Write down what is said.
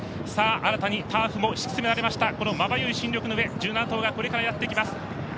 新たにターフも敷き詰められましたまばゆい新緑の上１７頭がやってきます。